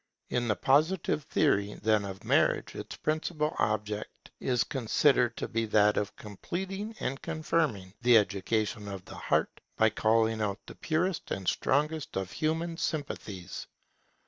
In the Positive theory, then, of marriage, its principal object is considered to be that of completing and confirming the education of the heart by calling out the purest and strongest of human sympathies.